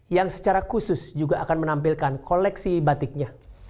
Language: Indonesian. yang secara khusus juga akan menampilkan koleksi batiknya